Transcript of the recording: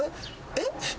えっ？